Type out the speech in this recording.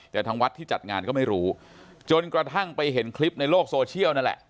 แต่ทางวัดที่จัดงานก็ไม่รู้จนกระทั่งไปเห็นคลิปในโลกโซเชียลนั่นแหละ